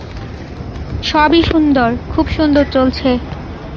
সবই সুন্দর, খুব সুন্দর চলছে।